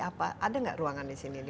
apa ada gak ruangan disini